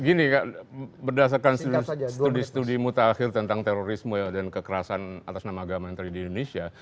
gini berdasarkan studi studi mutakhir tentang terorisme dan kekerasan atas nama agama yang terjadi di indonesia